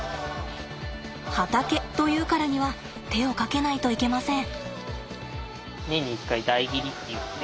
畑というからには手をかけないといけません。